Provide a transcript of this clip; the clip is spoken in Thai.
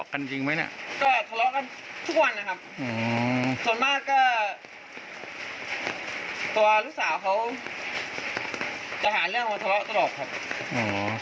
จะหาเรื่องว่าทะเลาะตลอดครับ